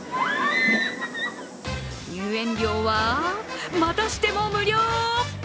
入園料はまたしても無料！